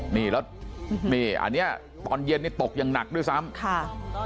นี่แล้วนี่อันนี้ตอนเย็นนี่ตกอย่างหนักด้วยซ้ำค่ะ